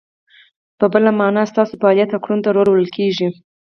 په بله مانا، ستاسو فعالیت او کړنو ته رول ویل کیږي.